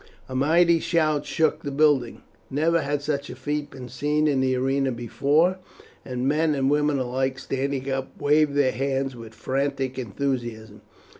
A mighty shout shook the building. Never had such a feat been seen in the arena before, and men and women alike standing up waved their hands with frantic enthusiasm.